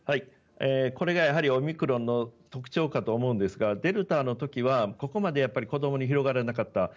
これがオミクロンの特徴かと思うんですがデルタの時はここまで子どもに広がらなかった。